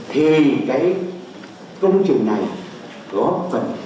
thì cái công trình này có phần cực